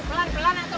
pelan pelan atau ngebut